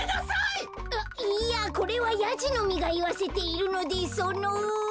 あっいやこれはヤジの実がいわせているのでその。